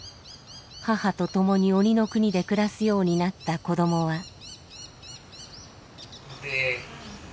母と共に鬼の国で暮らすようになった子どもは。